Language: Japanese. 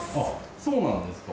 そうなんですか？